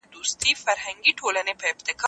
هغه وپوښتل چې د مسواک وهلو غوره وخت کوم دی.